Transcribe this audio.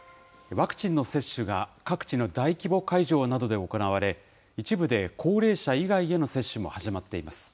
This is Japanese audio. ワクチンの接種が各地の大規模会場などで行われ、一部で高齢者以外への接種も始まっています。